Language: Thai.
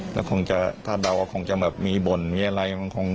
แล้วคงจะถ้าเดาว่าคงจะแบบมีบ่นมีอะไร